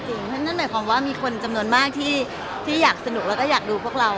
เพราะฉะนั้นนั่นหมายความว่ามีคนจำนวนมากที่อยากสนุกแล้วก็อยากดูพวกเรา